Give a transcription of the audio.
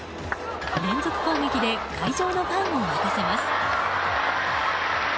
連続攻撃で会場のファンを沸かせます。